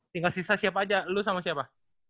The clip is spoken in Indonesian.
tinggal sisa siapa aja lu sama siapa